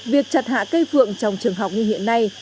việc chặt hạ cây phượng trong trường học như hiện nay